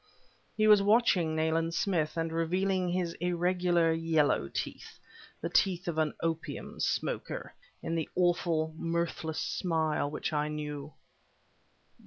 He was watching Nayland Smith, and revealing his irregular yellow teeth the teeth of an opium smoker in the awful mirthless smile which I knew.